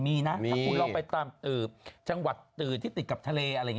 มีนะถ้าคุณลองไปตามจังหวัดตืดที่ติดกับทะเลอะไรอย่างนี้